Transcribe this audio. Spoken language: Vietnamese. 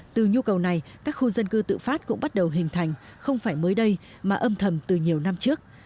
từ nhu cầu này các khu dân cư tự phát cũng bắt đầu hình thành không phải mới đây mà âm thầm từ nhiều năm trước